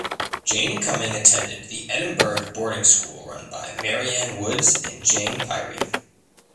Jane Cumming attended the Edinburgh boarding school run by Marianne Woods and Jane Pirie.